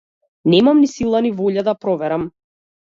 Немам ни сила ни волја да проверам.